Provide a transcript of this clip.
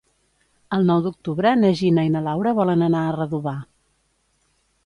El nou d'octubre na Gina i na Laura volen anar a Redovà.